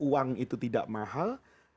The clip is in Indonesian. uang itu tidak mahal